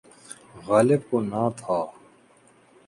غالب کو نہ تھا۔